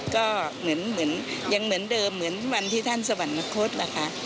ก็ยังเหมือนเดิมเหมือนวันที่ท่านสวรรค์มะคดล่ะค่ะ